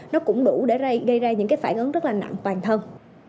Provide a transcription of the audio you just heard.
nó cũng đủ để gây ra những cái phản ứng rất là nặng toàn thân